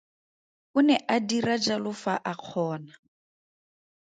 O ne a dira jalo fa a kgona.